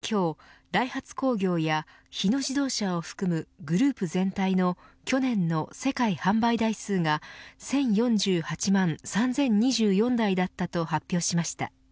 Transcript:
トヨタ自動車は今日ダイハツ工業や日野自動車を含むグループ全体の去年の世界販売台数が１０４８万３０２４台だったと発表しました。